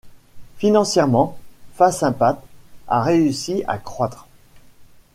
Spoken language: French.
Financièrement, FaSinPat a réussi à croître.